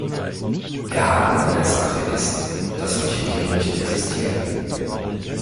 Der Haken an der Sache ist, dass solche Tiere nicht existieren.